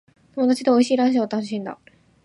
友達と美味しいランチを楽しんだ。